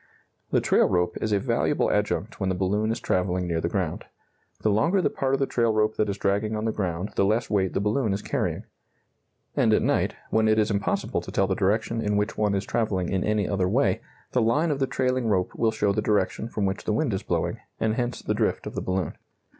[Illustration: A balloon ready for ascent. Notice that the neck is still tied.] The trail rope is a valuable adjunct when the balloon is travelling near the ground. The longer the part of the trail rope that is dragging on the ground the less weight the balloon is carrying. And at night, when it is impossible to tell the direction in which one is travelling in any other way, the line of the trailing rope will show the direction from which the wind is blowing, and hence the drift of the balloon.